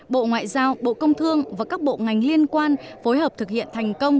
bộ ngoại giao bộ công thương và các bộ ngành liên quan phối hợp thực hiện thành công